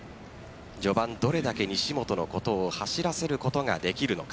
序盤、どれだけ西本のことを走らせることができるのか。